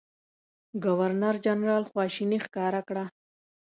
ګورنرجنرال خواشیني ښکاره کړه.